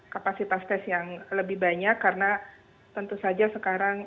kapasitas tes yang lebih banyak karena tentu saja sekarang